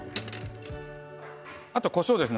あとこしょうですね。